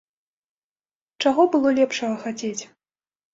Чаго было лепшага хацець?!